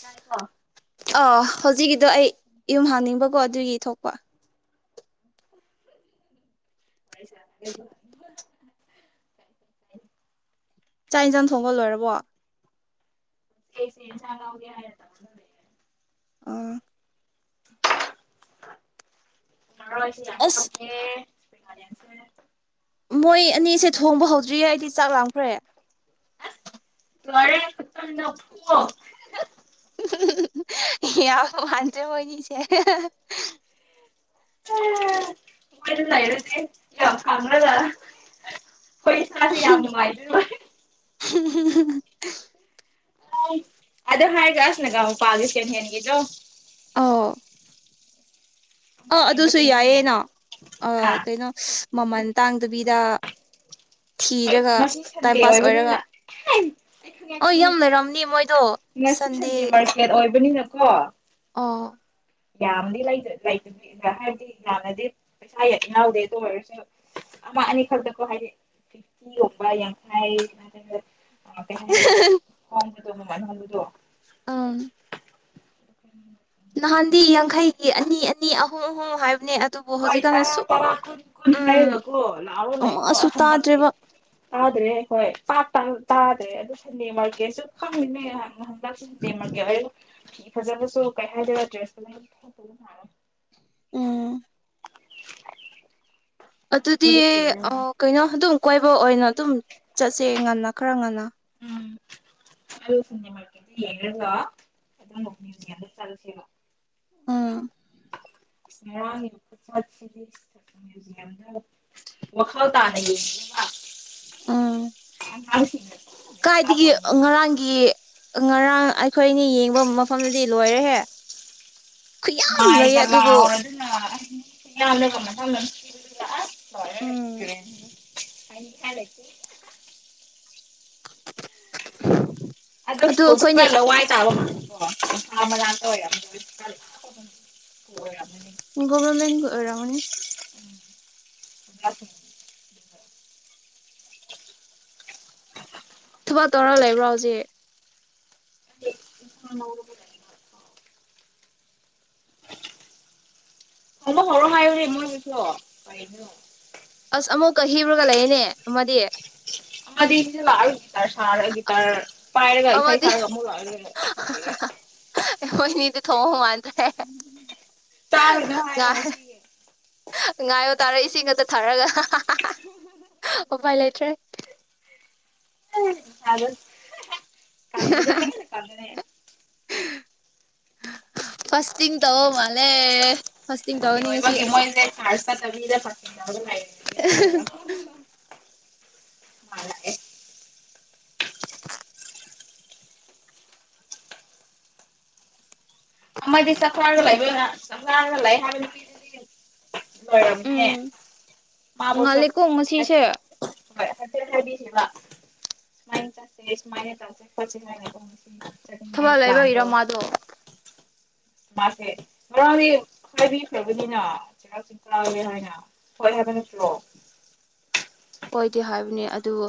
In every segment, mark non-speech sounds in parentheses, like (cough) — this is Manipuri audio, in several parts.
ꯇꯥꯏꯀꯣ ꯑꯥ ꯍꯧꯖꯤꯛꯀꯤꯗꯣ ꯑꯩ ꯌꯨꯝ ꯍꯟꯅꯤꯡꯕꯀꯣ ꯑꯗꯨꯒꯤ ꯊꯣꯛꯄ (inaudible) ꯆꯥꯛ ꯌꯦꯟꯁꯥꯡ ꯊꯣꯡꯕ ꯂꯣꯏꯔꯕꯣ ꯑꯦꯁ ꯆꯒꯥꯒꯦ ꯍꯥꯏ (unintelligible) ꯑꯥ ꯉ ꯑꯁ ꯌꯥꯦ (unintelligible) ꯔꯦꯔ (inaudible) ꯃꯣꯏ ꯑꯅꯤꯁꯦ ꯊꯣꯡꯕ ꯍꯧꯗ꯭ꯔꯤꯌꯦ ꯑꯩꯗꯤ ꯆꯥꯛ ꯂꯥꯡꯈ꯭ꯔꯦ ꯂꯣꯏꯔꯦ (unintelligible) ꯌꯥꯝ ꯃꯥꯟꯗ꯭ꯔꯦ ꯃꯣꯏꯅꯤꯁꯦ (unintelligible) ꯔꯦ ꯌꯥ ꯀꯗ (unintelligible) ꯍꯣꯏ ꯏꯁꯥꯁꯦ ꯌꯥꯝ ꯅꯨꯡꯉꯥꯏꯖꯔꯣꯏ ꯍꯨ ꯍꯨ ꯍꯨ ꯍꯨ ꯑꯥꯏ ꯑꯗꯨ ꯍꯥꯏꯒꯥ ꯑꯁ ꯅꯒ ꯃꯄꯥꯜꯒꯤ ꯁꯦꯀꯦꯟ ꯍꯦꯟꯒꯤꯗꯣ ꯑꯥ ꯑꯃꯨꯛꯀ ꯑꯥ ꯌꯦꯡꯕ ꯑꯗꯨꯁꯨ ꯆꯠꯅꯤꯡꯉꯤꯅꯦ ꯌꯥꯏꯌꯦꯅ ꯑ ꯍꯥ ꯀꯩꯅꯣ ꯃꯃꯜ ꯇꯥꯡꯗꯕꯤꯗ ꯍꯣꯏ ꯊꯤꯔꯒ ꯉꯁꯤ ꯇꯥꯏꯝ ꯁꯟꯗꯦ ꯄꯥꯁ ꯑꯣꯏꯔꯒ ꯑꯣꯏꯕꯅꯤꯅ ꯑꯩ ꯈꯪꯉꯦ ꯑꯣ ꯈꯪꯉꯦ ꯌꯥꯝ ꯂꯩꯔꯝꯅꯤ ꯃꯣꯏꯗꯣ ꯉꯁꯤ ꯁꯟꯗꯦ ꯃꯥꯔꯀꯦꯠ ꯑꯣꯏꯕ ꯕꯅꯤꯅꯀꯣ (unintelligible) ꯑꯥ ꯌꯥꯝꯗꯤ ꯂꯩꯇꯕꯤ ꯍꯥꯏꯕꯗꯤ ꯌꯥꯝꯅꯗꯤ ꯄꯩꯁꯥ ꯏꯅꯥꯎꯗꯦ ꯑꯗꯨ ꯑꯣꯏꯔꯁꯨ ꯑꯃ ꯑꯅꯤ ꯈꯛꯇꯀꯣ ꯍꯥꯏꯗꯤ ꯂꯨꯄꯥ ꯌꯥꯡꯈꯩ ꯑ ꯀ (unintelligible) ꯃꯃꯜ ꯍꯂꯗꯣ (unintelligible) ꯑꯥ ꯅꯍꯥꯟꯗꯤ ꯌꯥꯡꯈꯩꯒꯤ ꯑꯅꯤ ꯅꯤ ꯑꯍꯣ ꯑꯣ ꯍꯥꯏ ꯍꯣꯏ ꯇꯔꯥ ꯇꯔꯥ ꯀꯨꯟ ꯀꯨꯟ ꯎꯝ ꯍꯥꯏꯔꯒꯀꯣ ꯂꯥꯎꯔ ꯂꯩꯕꯗꯣ ꯑꯃꯁꯨ ꯍꯟꯗꯛꯇꯤ ꯇꯥꯗ꯭ꯔꯦꯕ ꯇꯥꯗ꯭ꯔꯦ ꯍꯣꯏ ꯄꯥꯛꯇ ꯇꯥꯗ꯭ꯔꯦ ꯑꯗꯨ ꯁꯟꯗꯦ ꯃꯥꯔꯀꯦꯠꯁꯨ ꯈꯪꯅꯤꯅꯦ ꯁꯟꯗꯦ ꯃꯥꯔꯀꯦꯠ ꯐꯖꯕꯁꯨ ꯀꯩ ꯍꯥꯏꯗꯔ ꯗ꯭ꯔꯦꯁꯥꯛꯦ (unintelligible) ꯎꯝ ꯑꯗꯨꯗꯤ ꯑ ꯀꯩꯅꯣ ꯑꯗꯨꯝ ꯀꯣꯏꯕ ꯑꯣꯏꯅ ꯑꯗꯨꯝ ꯆꯠꯁꯦ ꯉꯟꯅ ꯈꯔ ꯉꯟꯅ ꯎꯝꯂ ꯆ ꯃ ꯀꯦꯗꯂ ꯑꯗꯨꯗ ꯆꯂꯁꯤꯔ (unintelligible) ꯎꯝ (unintelligible) ꯋꯥꯈꯥꯎ ꯇꯥꯅ ꯎꯝ ꯃꯥ ꯁꯤ (unintelligible) ꯀꯥꯏꯗꯒꯤ ꯉꯔꯥꯡꯒꯤ ꯉꯔꯥꯡ ꯑꯩꯈꯣꯏꯅꯤ ꯌꯦꯡꯕ ꯃꯐꯝꯗꯨꯗꯤ ꯂꯣꯏꯔꯦꯍꯦ ꯈꯨꯌꯥꯝ ꯂꯩꯌꯦ ꯃꯥꯏꯒ ꯑꯗꯨꯕꯨ ꯂꯥꯎꯔꯗꯨꯅ ꯁꯤꯅ ꯊꯝꯅ ꯁꯤꯑ ꯎꯝ (unintelligible) ꯑꯗ ꯑꯗꯨ ꯁ꯭ꯀꯜꯁꯨ ꯑꯩꯈꯣꯏꯅꯦ ꯈꯔ ꯂꯧꯋꯥꯏ ꯇꯥꯕ ꯃꯥꯂꯤꯀꯣ ꯑ ꯂꯥꯛꯇ ꯍꯔ ꯍ (unintelligible) ꯒꯣꯚꯔꯃꯦꯟꯒꯤ ꯑꯣꯏꯔꯝꯒꯅꯤ (unintelligible) ꯊꯕꯛ ꯇꯧꯔ ꯂꯩꯕ꯭ꯔꯣ ꯍꯧꯖꯤꯛ (inaudible) ꯍꯂꯣ ꯍꯔ ꯍꯥꯏꯔꯤ ꯃꯣꯏ ꯀꯁ ꯄꯣ (unintelligible) ꯑꯁ ꯑꯃꯨꯛ ꯀꯕ꯭ꯔꯒ (unintelligible) ꯂꯩꯌꯦꯅꯦ ꯑꯃꯗꯤ ꯑꯃꯗꯤ (unintelligible) ꯇꯔ ꯁꯥꯔꯒꯤꯇꯥꯔ ꯄꯥꯏꯔꯒ ꯏꯁꯩ ꯑꯃꯗꯤ ꯁꯥꯔꯒ ꯑꯃꯨꯛ ꯔꯛꯑꯒꯦ ꯂꯩꯔꯦ ꯊꯣꯡꯉ ꯃꯥꯟꯗ꯭ꯔꯦ ꯆꯥꯔꯨꯅꯨ ꯍꯥꯏꯔꯣ ꯉꯥꯏ ꯉꯁꯤꯒꯤ ꯉꯥꯏꯌꯣ ꯇꯥꯔ ꯏꯁꯤꯡ ꯈꯛꯇ ꯊꯥꯔꯒ ꯍꯥ ꯍꯥ ꯍꯥ ꯍꯥ ꯎꯄꯥꯏ ꯂꯩꯇ꯭ꯔꯦ ꯌ (unintelligible) ꯀꯪꯕꯗ ꯍꯦꯟꯅ ꯀꯪꯕꯅꯦ ꯐꯁ ꯍꯥ ꯐꯥꯁꯇꯤꯡ ꯇꯧꯕ ꯃꯥꯂꯦ ꯁꯟꯗꯦ ꯑꯣꯏꯕꯒꯤ ꯃꯣꯏꯁꯦ ꯇꯥ (unintelligible) ꯇꯗ ꯐ (unintelligible) ꯍꯥꯏ (unintelligible) ꯍ (unintelligible) (inaudible) ꯑꯥꯃꯗꯤ ꯆꯀ꯭ꯔꯥꯒ ꯂꯩꯔꯦꯅ ꯆꯥꯛꯂꯒ ꯂꯩ ꯍꯥꯏꯕ ꯅꯨꯄꯤꯗꯨꯗꯤ ꯂꯣꯏꯔꯝꯃꯦ ꯃꯥꯕꯨꯁꯨ ꯉꯜꯂꯤꯀꯣ ꯉꯁꯤꯁꯦ ꯍꯣꯏ ꯍꯇ ꯍꯥꯏꯗꯤꯁꯤꯦ ꯋꯥ ꯁꯃꯥꯏ ꯆꯦ ꯁꯃꯥꯏꯅꯦ ꯇꯦ (unintelligible) ꯄꯆ ꯊꯕꯛ ꯂꯩꯕꯒꯤꯔ ꯃꯥꯗꯣ ꯃꯥꯁꯦ ꯃꯔꯝꯗꯤ ꯍꯥꯏꯕꯤ ꯐ꯭ꯔꯕꯅꯤꯅꯥꯛ ꯆꯤꯔꯥꯎꯆꯤꯡ ꯀꯥꯁꯤ ꯍꯥꯏꯅ ꯊꯣꯛꯑꯦ ꯍꯥꯏꯕꯅꯤ ꯍꯂꯣ ꯑꯣꯏꯌꯦꯗꯤ ꯍꯥꯏꯕꯅꯦ ꯑꯗꯨꯕꯨ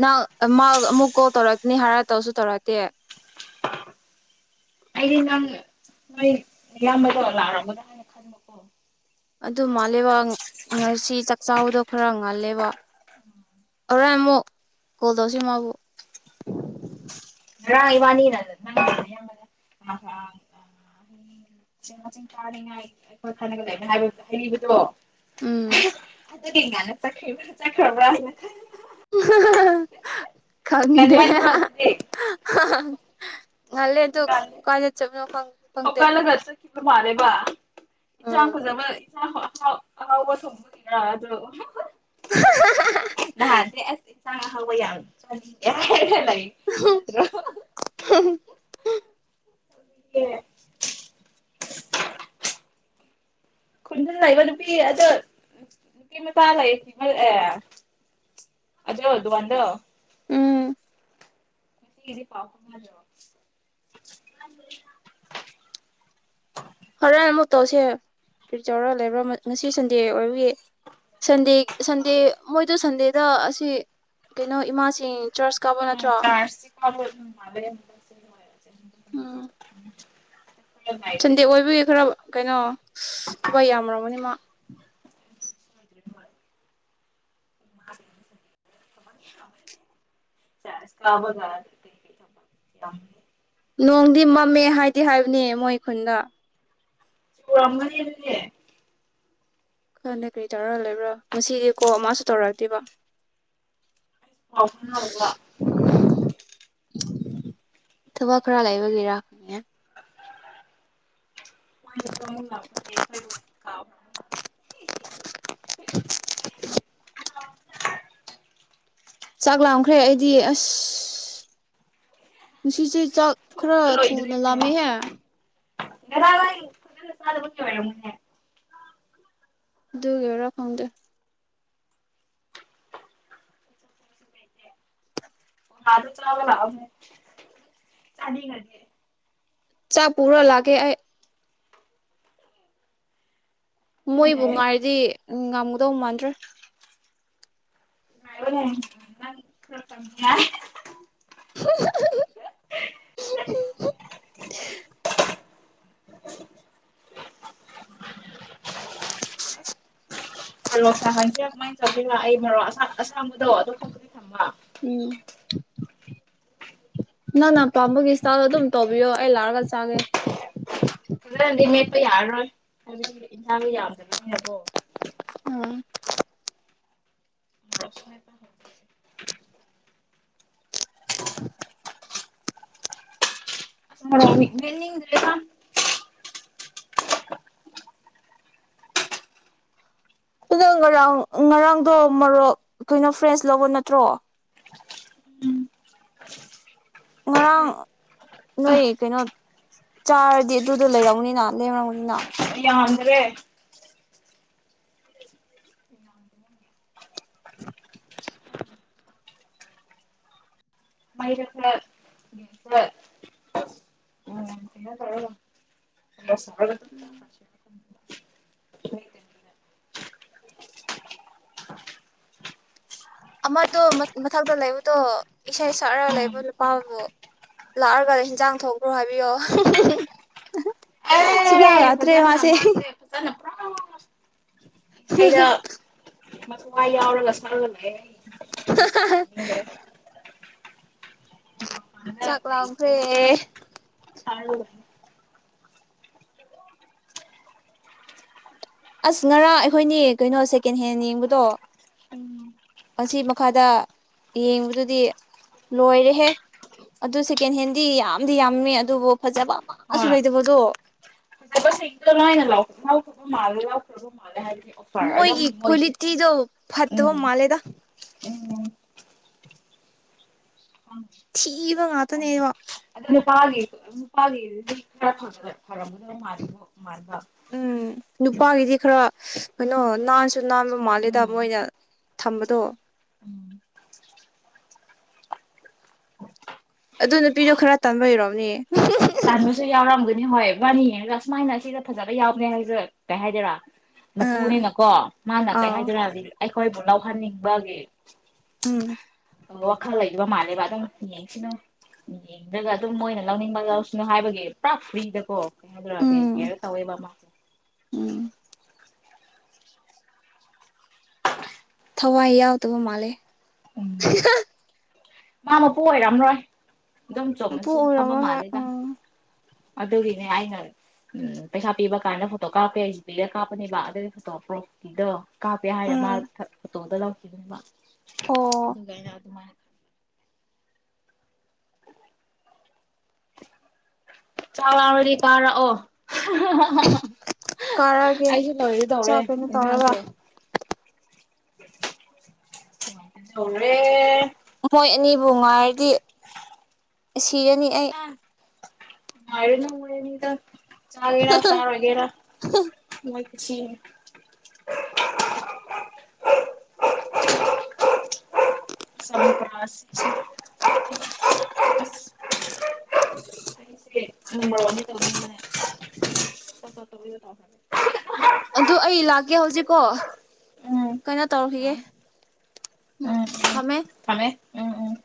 ꯅꯪ ꯃꯥ ꯑꯃꯨꯛ ꯀꯣꯜ ꯇꯧꯔꯛꯀꯅꯤ ꯍꯥꯏꯔ ꯇꯧꯁꯨ ꯇꯧꯔꯛꯇꯦ ꯑꯩꯗꯤ ꯅꯪ ꯅꯣꯏ ꯏꯌꯥꯝꯕꯗꯣ ꯂꯥꯛꯑꯝꯒꯗ꯭ꯔꯥ ꯍꯥꯏꯅ ꯈꯟꯕꯀꯣ ꯑꯗꯨ ꯑꯗꯨ ꯃꯥꯂꯦꯕ ꯉꯁꯤ ꯆꯥꯛ ꯆꯥꯕꯗꯣ ꯈꯔ ꯉꯜꯂꯦꯕ ꯍꯣꯔꯦꯜ ꯑꯃꯨꯛ ꯀꯣꯜ ꯇꯧꯁꯤ ꯃꯥꯕꯨ ꯍꯝ ꯉꯔꯥꯡ ꯏꯕꯅꯤꯅ ꯋꯥꯅꯤꯅ ꯅꯪ ꯑꯌꯥꯝꯕꯅ ꯃꯁꯤꯡ ꯊꯥꯅꯤꯡꯉꯥꯏ ꯑꯩꯈꯣꯏ ꯈꯅꯒ ꯂꯩꯅ ꯍꯥꯏꯕ ꯍꯩꯔꯤꯕꯗꯣ ꯎꯝ ꯑꯗꯨꯒꯤ ꯀꯥꯢꯅ ꯆꯠꯈ꯭ꯔꯤꯕꯥ ꯆꯠꯈ꯭ꯔꯥꯕ ꯍꯥꯢꯅ ꯈꯟꯅ ꯢꯍꯥ ꯍꯥ ꯍꯥꯥ ꯍꯥ ꯍꯥ ꯈꯪꯗꯦ ꯉꯟꯃꯟꯗ꯭ꯔꯣ ꯍꯥ ꯍꯥ ꯑꯗꯨꯗꯤ ꯍꯥ ꯍꯥ ꯍꯥ ꯉꯜꯂꯦ ꯑꯗꯨ ꯉꯜꯂꯦ ꯀꯥꯏꯗ ꯆꯠꯄꯅꯣ ꯈꯪꯁꯨ ꯈꯪꯗꯦ ꯃꯥꯂꯦꯕ ꯏꯟꯁꯥꯡ ꯎꯝ ꯐꯖꯕ ꯏꯁꯥꯡ ꯑꯍꯥꯎ ꯑꯍꯥꯎꯕ ꯊꯣꯡꯕꯒꯤꯔ ꯑꯗꯨ ꯑꯍꯥ ꯍꯥ ꯅꯍꯥꯟꯗꯤ ꯑꯁ ꯁꯥ ꯑꯍꯥꯎꯕ ꯌꯥꯝ ꯆꯥꯅꯤꯡꯉꯦ ꯍꯥꯏꯔ ꯂꯩ ꯅꯠꯇ꯭ꯔꯣ ꯍꯥ ꯍꯥ ꯍꯥ ꯍꯥ ꯑꯦ ꯈꯨꯟꯗ ꯂꯩꯕ ꯅꯨꯄꯤ ꯑꯗꯨ ꯅꯨꯄꯤ ꯃꯄꯥ ꯂꯩꯈꯤꯄꯜꯑꯦ ꯑꯗꯣ ꯑꯗꯨ ꯋꯥꯟꯗꯣ ꯎꯝ ꯉꯥꯁꯤꯒꯤꯗꯤ ꯄꯥꯎ ꯐꯥꯎꯅꯗ꯭ꯔꯣ ꯍꯨꯔꯦꯟ ꯑꯃꯨꯛ ꯇꯧꯁꯦ ꯀꯔꯤ ꯆꯥꯎꯔ ꯂꯩꯕ꯭ꯔꯥ ꯉꯁꯤ ꯁꯟꯗꯦ ꯑꯣꯏꯕꯒꯤ ꯁꯟꯗꯦ ꯁꯟꯗꯦ ꯃꯣꯏꯗꯣ ꯁꯟꯗꯦꯗ ꯑꯁꯤ ꯀꯩꯅꯣ ꯏꯃꯥꯁꯤꯡ ꯆꯔꯆ ꯀꯥꯕ ꯅꯠꯇ꯭ꯔꯣ (unintelligible) ꯆꯟꯗꯦ ꯑꯣꯏꯕꯩ ꯈꯔ ꯀꯩꯅꯣ ꯊꯥꯕꯛ ꯌꯥꯝꯔꯝꯃꯅꯤ ꯃꯥ (unintelligible) ꯅꯣꯡꯗꯤ ꯃꯝꯃꯦ ꯍꯥꯏꯗꯤ ꯍꯥꯏꯕꯅꯦ ꯃꯣꯏ ꯈꯨꯟꯗ ꯎꯔꯝꯒꯅꯤ ꯑꯗꯨꯗꯤ ꯈꯪꯗꯦ ꯀꯔꯤ ꯇꯧꯔꯥ ꯂꯩꯕ꯭ꯔꯥ ꯉꯥꯁꯤꯗꯤ ꯀꯣ ꯃꯁꯨ ꯇꯧꯔꯛꯇꯦꯕ (inaudible) ꯊꯕꯛ ꯈꯥꯔ ꯂꯩꯕꯒꯤꯔ ꯍꯪꯡꯉꯦ ꯑꯦ ꯈꯩꯔꯣꯟ ꯀꯥꯎ ꯆꯥꯛ ꯂꯥꯝꯈ꯭ꯔꯦ ꯑꯩꯗꯤ ꯑꯁ ꯉꯥꯁꯤꯁꯦ ꯆꯥꯛ ꯈꯥꯔ ꯊꯨꯅ ꯂꯥꯝꯃꯦꯍꯦ ꯉꯥꯔꯥꯡ ꯋꯥꯢ ꯐꯖꯅꯥ ꯆꯥꯗꯕꯒꯤ ꯑꯣꯢꯔꯝꯅꯤꯌꯦ ꯗꯨꯒꯤꯔ ꯈꯪꯡꯗꯦ ꯑꯥꯗ ꯆꯥꯕ ꯂꯛꯑꯣꯍꯦ ꯆꯥꯅꯤꯡꯔꯗꯤ ꯆꯥꯛ ꯄꯨꯔꯥ ꯂꯥꯛꯀꯦ ꯑꯩ ꯃꯣꯏꯕꯨ ꯉꯥꯏꯔꯗꯤ ꯎꯝ ꯉꯝꯃꯨꯗꯧ ꯃꯥꯟꯗ꯭ꯔꯦ ꯉꯥꯢꯕ ꯉꯝ ꯅꯪ ꯈꯥꯔ ꯀꯪꯡꯉꯤ ꯍꯥꯢ ꯑꯍꯥ ꯍꯥ ꯍꯝ ꯍꯝ ꯍꯝ ꯍꯝ ꯑ ꯍꯝ ꯍꯝ (inaudible) ꯃꯔꯣꯛ ꯁꯥꯍꯟꯁꯦ ꯀꯃꯥꯏꯅ ꯇꯧꯕꯤꯔ ꯑꯩ ꯃꯔꯣꯛ ꯑꯁ ꯑꯁꯥꯡꯕꯗꯣ ꯑꯗꯨꯝ ꯈꯛꯇꯗꯤ ꯊꯝꯕ ꯎꯝ ꯅ ꯅ ꯄꯥꯝꯕꯒꯤ ꯏꯁꯇꯥꯥꯏꯜꯗ ꯑꯗꯨꯝ ꯇꯧꯕꯤꯌꯣ ꯑꯩ ꯂꯥꯛꯑꯒ ꯆꯪꯉꯦ ꯐꯖꯅꯗꯤ ꯃꯦꯠꯄ ꯌꯥꯔꯔꯣꯏ ꯍꯥꯏꯕꯗꯤ ꯌꯦꯟꯁꯥꯡ ꯌꯥꯝꯗꯕꯅꯤꯅ ꯀꯣ ꯎꯝ (inaudible) (inaudible) ꯑꯗꯨ ꯉꯔꯥꯡ ꯉꯔꯥꯡꯗꯣ ꯃꯔꯣꯛ ꯀꯩꯅꯣ ꯐ꯭ꯔꯦꯁ ꯂꯧꯕ ꯅꯠꯇ꯭ꯔꯣ ꯎꯝ ꯉꯔꯥꯡ ꯅꯣꯏ ꯀꯩꯅꯣ ꯆꯥꯔꯗꯤ ꯑꯗꯨꯗ ꯂꯩꯔꯛꯎꯅꯤꯅ ꯂꯩꯔꯝꯅꯤꯅ ꯌꯥꯗ꯭ꯔꯦ (inaudible) (unintelligible) (unintelligible) ꯌꯦꯁ ꯕ꯭ꯔꯗꯔ ꯍꯥꯏ ꯑꯃꯗꯣ ꯃꯊꯛꯇ ꯂꯩꯕꯗꯣ ꯏꯁꯩ ꯁꯛꯑꯒ ꯂꯩꯕ ꯎꯝ ꯅꯨꯄꯥꯕꯨ ꯂꯥꯛꯑꯒ ꯍꯤꯟꯖꯥꯡ ꯊꯣꯛꯈ꯭ꯔꯣ ꯍꯥꯏꯕꯤꯌꯣ ꯁꯨꯂꯥꯛ ꯑꯦ ꯂꯥꯛꯇꯔꯦ ꯐꯖꯅ ꯃꯥꯁꯦ (unintelligible) (inaudible) ꯃ ꯌꯥꯎꯔꯒ ꯁꯥ ꯉꯝꯗ꯭ꯔꯦ (inaudible) ꯆꯥꯛ ꯂꯥꯝꯈ꯭ꯔꯦ ꯑ ꯔꯣ ꯑꯁ ꯉꯔꯥꯡ ꯑꯩꯈꯣꯏꯅꯤ ꯀꯩꯅꯣ ꯁꯦꯀꯦꯟ ꯍꯦꯟ ꯌꯦꯡꯕꯗꯣ ꯑꯁꯤ ꯃꯈꯥꯗ ꯌꯦꯡꯕꯗꯨꯗꯤ ꯂꯣꯏꯔꯦꯍꯦ ꯑꯗꯨ ꯁꯦꯀꯦꯟ ꯍꯦꯟꯗꯤ ꯌꯥꯝꯗꯤ ꯌꯥꯝꯃꯦ ꯑꯗꯨꯕꯨ ꯐꯖꯕ ꯑꯃꯁꯨ ꯂꯩꯗꯕꯗꯣ ꯗꯣꯅꯦ ꯂꯥꯛꯥꯎ ꯁ ꯃꯜꯦ ꯂꯥꯛꯑꯣ ꯁ ꯃꯥꯜꯦ ꯍꯥꯏ (unintelligible) ꯃꯣꯏꯒꯤ ꯀꯨꯂꯤꯇꯤꯗꯣ ꯐꯠꯇꯕ ꯎꯝ ꯃꯥꯜꯂꯦꯗ ꯊꯤꯕ ꯉꯇꯅꯦꯕ (unintelligible) ꯐꯔꯝꯒꯗꯕ ꯃꯥꯟꯕꯨ ꯃꯥꯟꯕ ꯎꯝ ꯅꯨꯄꯥꯒꯤꯗꯤ ꯈꯔ ꯀꯩꯅꯣ ꯅꯍꯥꯟꯁꯨ (unintelligible) ꯃꯂꯩꯗ ꯎꯝ ꯃꯣꯏꯅ ꯊꯝꯕꯗꯣ ꯎꯝ (inaudible) ꯑꯗꯨ ꯅꯨꯄꯤꯗꯣ ꯈꯔ ꯇꯥꯟꯕꯥꯟꯕꯩꯔꯣꯝꯅꯦ ꯇꯟꯕꯁꯨ ꯌꯥꯎꯔꯝꯒꯅꯤ ꯍꯣꯏ ꯋꯥꯔꯤꯅꯤ ꯍꯥꯏꯒ ꯑꯁꯨꯃꯥꯏꯅ ꯁꯤꯗ ꯐꯖꯕ ꯌꯥꯎꯒꯦ ꯍꯥꯏꯕꯁꯨꯦ ꯀꯩ ꯍꯥꯏꯗꯣꯏꯔꯥ ꯑꯥ ꯃꯄꯨꯅꯤꯅꯀꯣ ꯃꯥꯅ ꯀꯩ ꯑꯥ ꯍꯥꯏꯗꯣꯏꯔ ꯑꯩꯈꯣꯏꯕꯨ ꯂꯧꯍꯟꯅꯤꯡꯕꯒꯤ ꯎꯝ ꯋꯥꯈꯜ ꯂꯩꯕ ꯃꯥꯜꯂꯦꯕ ꯑꯗꯨꯝ ꯌꯦꯡꯁꯤꯅꯨ ꯌꯦꯡꯗ꯭ꯔꯒ ꯑꯗꯨꯝ ꯃꯣꯏꯅ ꯂꯧꯅꯤꯡꯕ ꯂꯧ ꯀꯣ ꯍꯥꯏꯕꯒꯤ ꯄꯨꯔꯥ ꯐ꯭ꯔꯤꯗꯀꯣ ꯀꯩ ꯍꯥꯏꯗꯔꯛꯑꯒꯦ ꯎꯝ ꯀꯦꯌꯔ ꯇꯧꯋꯦꯕ ꯃꯥꯁꯦ ꯎꯝ ꯊꯋꯥꯏ ꯌꯥꯎꯗꯕ ꯃꯥꯜꯂꯦ ꯍꯤ ꯍꯦ ꯃꯥ ꯃꯄꯨ ꯑꯣꯏꯔꯝꯂꯣꯏ ꯑꯗꯨꯝ ꯆꯣꯡꯅ ꯃꯄꯨ ꯁꯨꯝ ꯐꯝꯕ ꯑꯣꯏꯔꯝꯃꯣꯏ ꯍꯣꯏ ꯃꯥꯜꯂꯦꯗ ꯎꯝ ꯑꯗꯨꯒꯤꯅꯦ ꯑꯩꯅ ꯎꯝ ꯄꯩꯁꯥ ꯄꯤꯕ ꯀꯥꯟꯗ ꯐꯣꯇꯣ ꯀꯥꯞꯀꯦ ꯖꯤ ꯄꯤ ꯑꯦꯗ ꯀꯥꯞꯄꯅꯦꯕ ꯑꯗꯨꯒꯤ ꯐꯣꯇꯣ ꯄꯨꯔꯛꯄꯤꯗꯣ ꯀꯥꯄꯦ ꯍꯥꯏ ꯃꯥ ꯎꯝ ꯊ ꯇꯣꯗ ꯂꯣꯠꯈꯤꯕꯅꯦ ꯃ ꯑꯣ ꯑꯗꯨꯒꯤ ꯑꯩꯅ ꯑꯗꯨꯃꯥꯏꯅ ꯆꯥꯎꯔꯥꯛꯔꯗꯤ ꯄꯥꯔꯥꯛꯑꯣ ꯍꯥ ꯍꯥ ꯍꯥ ꯍꯥ ꯀꯥꯔꯛꯑꯒꯦ ꯑꯩꯁꯨ ꯂꯣꯏꯒꯦ ꯇꯧꯔꯦ ꯆꯥꯛ ꯀꯩꯅꯣ ꯇꯧꯔꯒ ꯌꯦꯟꯁꯥꯡꯁꯦ ꯌꯧꯔꯦ ꯃꯣꯏ ꯑꯅꯤꯕꯨ ꯉꯥꯏꯔꯗꯤ ꯁꯤꯔꯅꯤ ꯑꯩ ꯉꯥꯏꯔꯅꯨ ꯃꯣꯏ ꯑꯅꯤꯗꯣ ꯆꯒꯦꯔ ꯆꯔꯣꯏꯒꯦꯔ ꯃꯣꯏ ꯁꯤ ꯁꯝꯄꯥ ꯁꯤꯡ ꯁꯦ,,,,,, ꯑꯩꯁꯦ ꯅꯪꯒꯤ ꯋꯥꯅꯤ ꯇꯧꯔꯝꯃꯅꯦ ꯍꯥꯥ ꯍꯥ ꯑꯗꯨ ꯑꯩ ꯂꯥꯛꯀꯦ ꯍꯧꯖꯤꯛꯀꯣ ꯎꯝ ꯀꯩꯅꯣ ꯇꯧꯔꯈꯤꯒꯦ ꯎꯝ ꯊꯝꯃꯦ ꯊꯝꯃꯦ ꯎꯝ ꯎꯝ